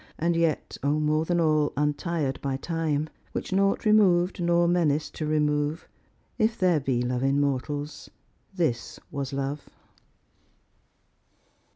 And yet, ! more than all!— untir'd by time ; Which naught remov'd, nor menac'd to remove— If there be love in mortals, this was love."